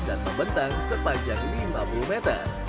dan membentang sepanjang lima puluh meter